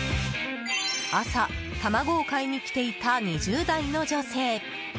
朝、卵を買いにきていた２０代の女性。